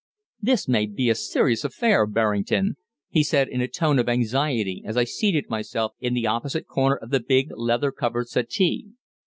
"This may be a serious affair, Berrington," he said in a tone of anxiety as I seated myself in the opposite corner of the big, leather covered settee.